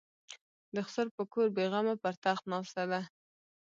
د خسر په کور بېغمه پر تخت ناسته ده.